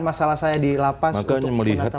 masalah saya di lapas makanya melihat